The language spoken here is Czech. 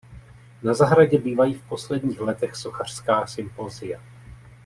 Na zahradě bývají v posledních letech sochařská sympozia.